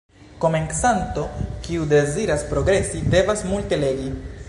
Komencanto, kiu deziras progresi, devas multe legi.